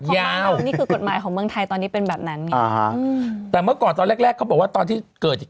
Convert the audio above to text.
ยาวนี่คือกฎหมายของเมืองไทยตอนนี้เป็นแบบนั้นไงอ่าฮะแต่เมื่อก่อนตอนแรกแรกเขาบอกว่าตอนที่เกิด